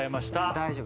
大丈夫